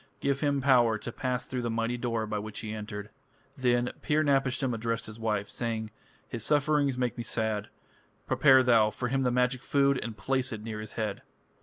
Give him power to pass through the mighty door by which he entered." Then Pir napishtim addressed his wife, saying: "His sufferings make me sad. Prepare thou for him the magic food, and place it near his head."